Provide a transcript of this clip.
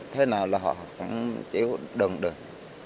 thế nào là họ cũng chéo đường đường